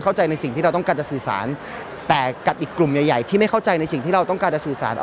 ในสิ่งที่เราต้องการจะสื่อสารแต่กับอีกกลุ่มใหญ่ใหญ่ที่ไม่เข้าใจในสิ่งที่เราต้องการจะสื่อสาร